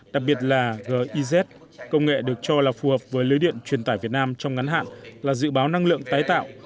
đặc biệt là giz công nghệ được cho là phù hợp với lưới điện truyền tải việt nam trong ngắn hạn là dự báo năng lượng tái tạo